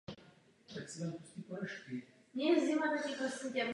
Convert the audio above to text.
Dohoda nejen umožňuje vetší konkurenceschopnost kanadského a evropského trhu.